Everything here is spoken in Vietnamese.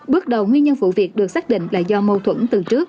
bước đầu nguyên nhân vụ việc được xác định là do mâu thuẫn từ trước